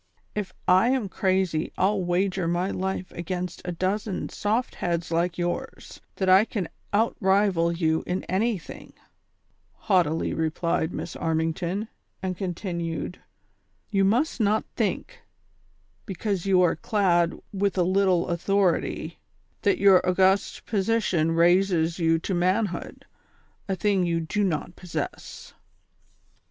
If I am crazy I'll wager my life against a dozen soft heads like yours, that I can out rival you in anything," haughtily replied Miss Armington ; and continued: "You must not think, because you are clad with a little authority, that your august position raises you to manhood, a thing you do not possess."